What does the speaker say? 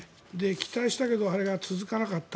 期待したけどあれが続かなかった。